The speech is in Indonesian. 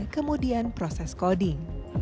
kemudian proses coding